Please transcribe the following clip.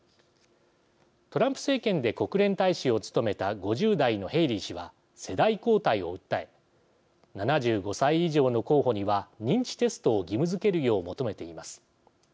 トランプ政権で国連大使を務めた５０代のヘイリー氏は世代交代を訴え７５歳以上の候補には認知テストを義務づけるよう求めています。